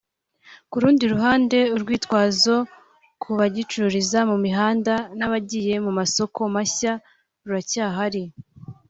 Ku rundi ruhande urwitwazo ku bagicururiza mu mihanda n’abagiye mu masoko mashya ruracyahari